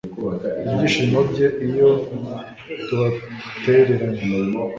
ibyishimo bye iyo tubatereranye